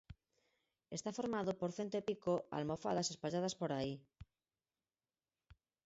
Está formado por cento e pico almofadas espalladas por aí.